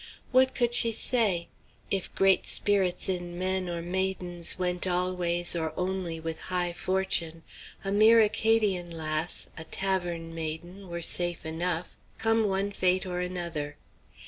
What could she say? If great spirits in men or maidens went always or only with high fortune, a mere Acadian lass, a tavern maiden, were safe enough, come one fate or another.